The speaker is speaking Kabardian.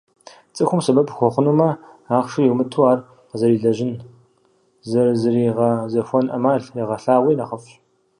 Цӏыхум сэбэп ухуэхъунумэ, ахъшэ йумыту, ар къызэрилэжьын, зэрызригъэзэхуэн ӏэмал егъэлъагъуи нэхъыфӏщ.